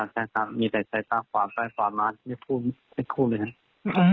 ใช่มีแต่ตาขวาใต้ตาขวามาไม่พูดเลยครับ